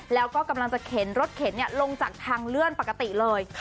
แล้วก็กำลังจะเข็นรถเข็นลงจากทางเลื่อนปกติเลย